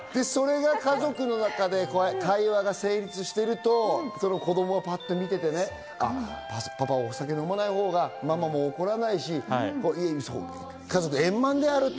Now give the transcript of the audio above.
家族の中で会話が成立していると、子供が見ていて、お酒を飲まないほうがママも怒らないし家族円満であると。